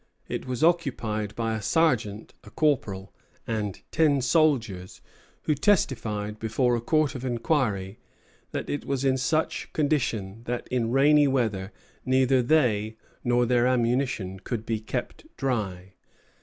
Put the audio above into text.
It was occupied by a sergeant, a corporal, and ten soldiers, who testified before a court of inquiry that it was in such condition that in rainy weather neither they nor their ammunition could be kept dry.